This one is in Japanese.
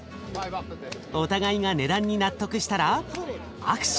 お互いが値段に納得したら握手。